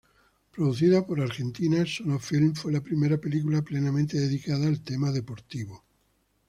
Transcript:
Producida por Argentina Sono Film, fue la primera película plenamente dedicada al tema deportivo.